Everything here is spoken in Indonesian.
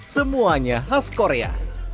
semuanya khas korea